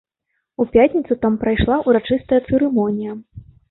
У пятніцу там прайшла ўрачыстая цырымонія.